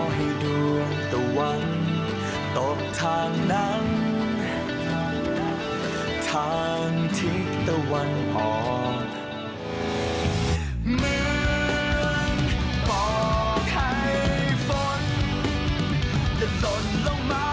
เหมือนปลอกให้ฝนจะลดลงมาจากฟ้า